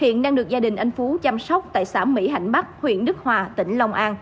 hiện đang được gia đình anh phú chăm sóc tại xã mỹ hạnh bắc huyện đức hòa tỉnh long an